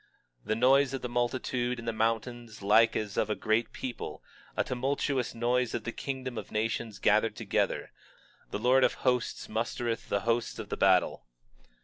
23:4 The noise of the multitude in the mountains like as of a great people, a tumultuous noise of the kingdoms of nations gathered together, the Lord of Hosts mustereth the hosts of the battle.